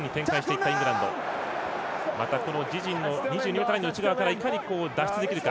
また２２ｍラインの内側からいかに脱出できるか。